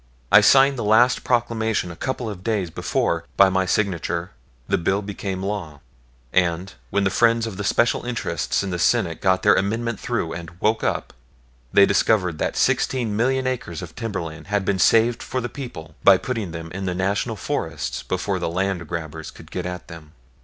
I signed the last proclamation a couple of days before, by my signature, the bill became law; and, when the friends of the special interests in the Senate got their amendment through and woke up, they discovered that sixteen million acres of timberland had been saved for the people by putting them in the National Forests before the land grabbers could get at them.